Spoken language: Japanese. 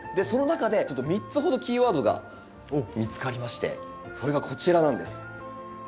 その中でちょっと３つほどキーワードが見つかりましてそれがこちらなんです。